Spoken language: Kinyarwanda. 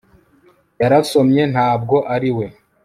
yaransomye, ntabwo ari we